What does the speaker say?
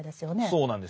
そうなんですよ。